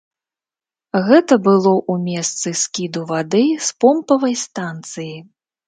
Гэта было ў месцы скіду вады з помпавай станцыі.